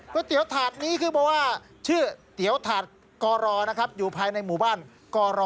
เตี๋ยวถาดนี้คือเพราะว่าชื่อเตี๋ยวถาดกรนะครับอยู่ภายในหมู่บ้านกร